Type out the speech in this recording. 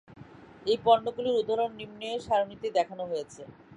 এই পণ্যগুলির উদাহরণ নিম্নে সারণিতে দেখানো হয়েছে।